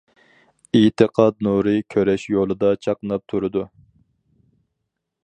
ئېتىقاد نۇرى كۈرەش يولىدا چاقناپ تۇرىدۇ.